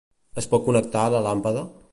Es pot connectar la làmpada?